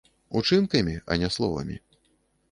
Учынкамі, а не словамі.